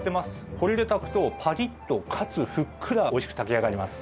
これで炊くとパリッとかつふっくら美味しく炊き上がります。